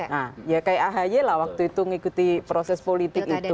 nah ya kayak ahy lah waktu itu mengikuti proses politik itu